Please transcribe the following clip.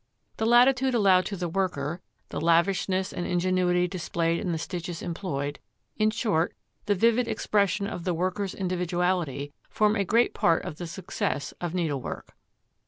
The latitude allowed to the worker; the lavishness and ingenuity displayed in the stitches employed; in short, the vivid expression of the worker's individuality, form a great part of the success of needlework.